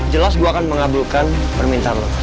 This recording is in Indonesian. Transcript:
jelas gue akan mengabulkan permintaan lo